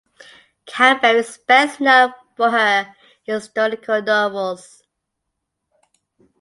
Campbell is best known for her historical novels.